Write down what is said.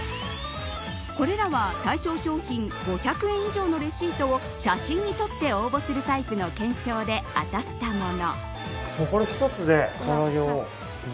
これらは対象商品５００円以上のレシートを写真に撮って応募するタイプの懸賞で当たったもの。